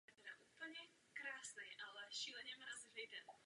Předseda strany Antonín Švehla byl dvakrát předsedou vlády.